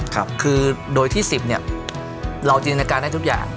คือโดยที่๑๐เราจินการให้ทุกอย่าง